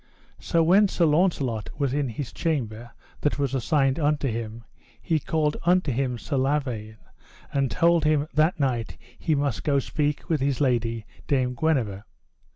So when Sir Launcelot was in his chamber that was assigned unto him, he called unto him Sir Lavaine, and told him that night he must go speak with his lady, Dame Guenever.